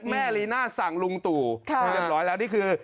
แม่ลีน่าสั่งลุงตู่ค่ะครับเรียบร้อยแล้วนี่คือ